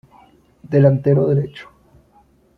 Delantero derecho.